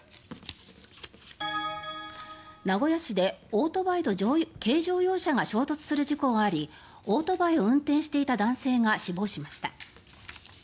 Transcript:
名古屋市でオートバイと軽乗用車が衝突する事故がありオートバイを運転していた男性が死亡しました。